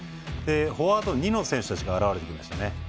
フォワード２の選手たちが現れてきましたね。